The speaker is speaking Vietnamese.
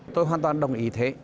tôi hoàn toàn đồng ý thế